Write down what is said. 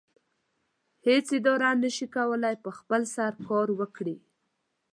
هیڅ اداره نشي کولی په خپل سر کار وکړي.